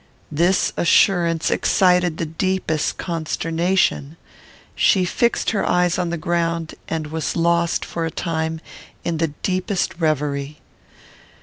This assurance excited the deepest consternation. She fixed her eyes on the ground, and was lost, for a time, in the deepest reverie.